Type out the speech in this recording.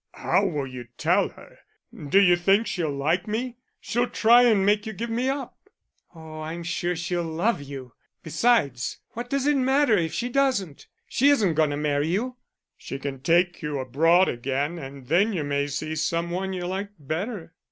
"How will you tell her? D'you think she'll like me? She'll try and make you give me up." "Oh, I'm sure she'll love you; besides, what does it matter if she doesn't? she isn't going to marry you." "She can take you abroad again and then you may see some one you like better."